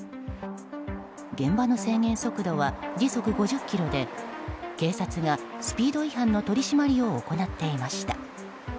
現場の制限速度は時速５０キロで警察がスピード違反の取り締まりを行っていました。